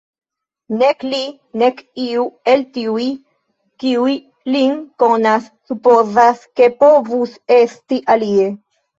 Nek li, nek iu el tiuj, kiuj lin konas, supozas, ke povus esti alie.